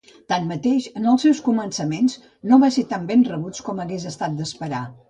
Tanmateix, en els seus començaments no va ser tan ben rebuts com hagués estat d'esperar.